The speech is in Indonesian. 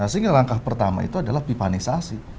sehingga langkah pertama itu adalah pipanisasi